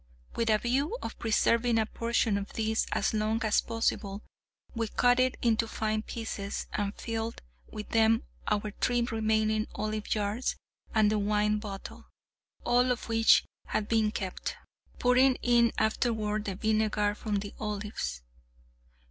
With a view of preserving a portion of this as long as possible, we cut it into fine pieces, and filled with them our three remaining olive jars and the wine bottle (all of which had been kept), pouring in afterward the vinegar from the olives.